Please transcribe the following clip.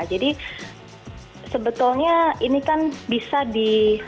jadi sebetulnya ini kan bisa di